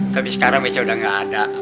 tapi sekarang biasanya udah nggak ada